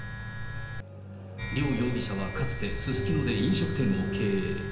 両容疑者はかつて、すすきので飲食店を経営。